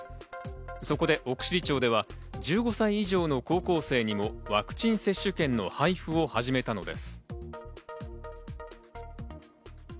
そこで奥尻町では１５歳以上の高校生にもワクチン接種券の配布を始めたのです。